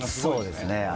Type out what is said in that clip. そうですね